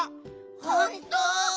ほんと！？